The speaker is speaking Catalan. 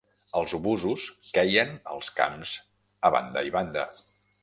Els obusos queien als camps a banda i banda